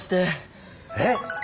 えっ